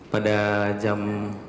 pada jam enam delapan belas